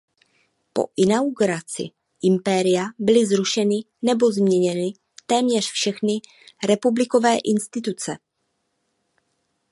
Po inauguraci Impéria byly zrušeny nebo změněny téměř všechny republikové instituce.